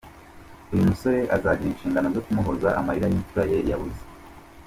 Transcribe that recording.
Uyu musore azagira inshingano zo kumuhoza amarira y'imfura ye yabuze.